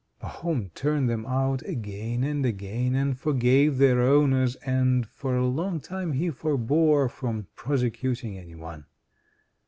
Pahom turned them out again and again, and forgave their owners, and for a long time he forbore from prosecuting any one.